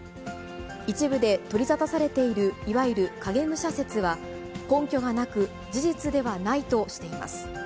一部で取り沙汰されているいわゆる影武者説は、根拠がなく、事実ではないとしています。